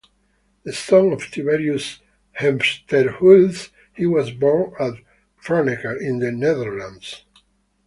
The son of Tiberius Hemsterhuis, he was born at Franeker in the Netherlands.